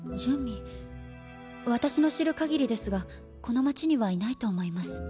私の知るかぎりですがこの町にはいないと思います。